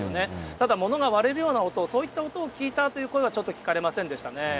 ただ、物が割れるような音、そういった音を聞いたという声はちょっと聞かれませんでしたね。